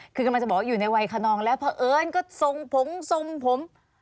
คือกำลังจะบอกอยู่ในวัยคณอมแล้วพอเอิ้นส่งผม